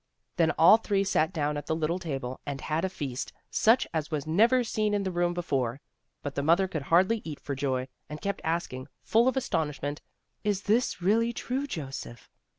Then all three sat down at the little table and had a feast, such as was never seen in the room before. But the mother could hardly eat for joy, and kept asking, full of astonishment: "Is this really true, Joseph?"